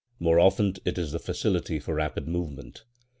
More often it is the facility for rapid movement.